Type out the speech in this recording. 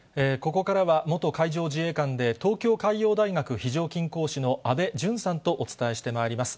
ここからは元海上自衛官で、東京海洋大学非常勤講師の安倍淳さんとお伝えしてまいります。